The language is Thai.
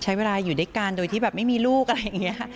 ใช้เวลาอยู่ด้วยกันโดยที่แบบไม่มีลูกอะไรอย่างนี้